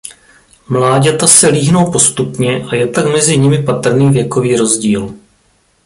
Mláďata se líhnou postupně a je tak mezi nimi patrný věkový rozdíl.